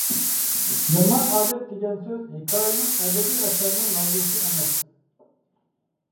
يامان ئادەت دېگەن سۆز ھېكايىنىڭ-ئەدەبىي ئەسەرنىڭ ماۋزۇسى ئەمەس.